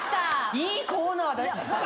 いいコーナーだったね。